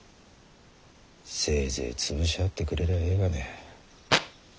せいぜい潰し合ってくれりゃあええがね。